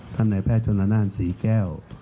ท่านนายแพทย์จนละนานศรีแก้ว